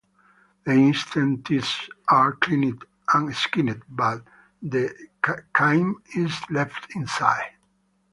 The intestines are cleaned and skinned, but the chyme is left inside.